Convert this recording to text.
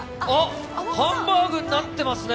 ハンバーグになっていますね！